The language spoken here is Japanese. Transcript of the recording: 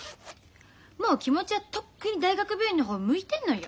もう気持ちはとっくに大学病院の方向いてんのよ。